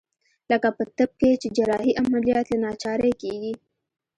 لکه په طب کښې چې جراحي عمليات له ناچارۍ کېږي.